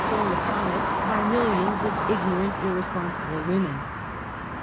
145 thrown upon it, by millions of ignorant, irresponsible women.